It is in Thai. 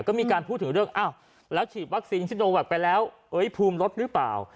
ก็มีการพูดถึงเรื่องอ้าวแล้วฉีดวัคซีนซิโนแวคไปแล้วภูมิลดหรือเปล่า